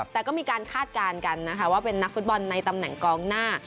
แต่ก็มีการคาดการณ์กันนะคะว่าเป็นนักฟุตบอลในตำแหน่งกองหน้า